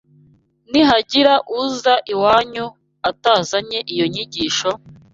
Nihagira uza iwanyu atazanye iyo nyigisho,